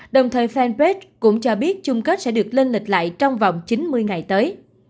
đồng thời fanpage cũng cho biết chung kết sẽ được lên lịch lại trong vòng chín mươi ngày tới